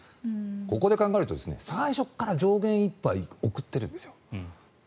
ここで考えると最初から上限いっぱい送ってるんですよ。